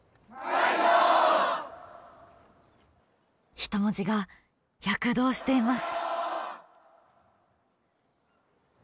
人文字が躍動しています！